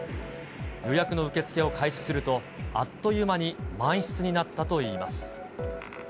予約の受け付けを開始すると、あっという間に満室になったといいます。